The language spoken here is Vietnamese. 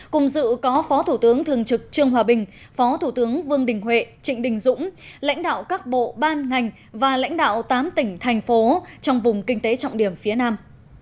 cùng dự có phó thủ tướng thường trực trương hòa bình phó thủ tướng vương đình huệ trịnh đình dũng lãnh đạo các bộ ban ngành và lãnh đạo tám tỉnh thành phố trong vùng kinh tế trọng điểm phía nam